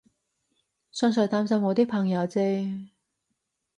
純粹擔心我啲朋友啫